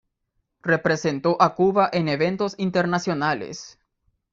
Representó a Cuba en eventos internacionales.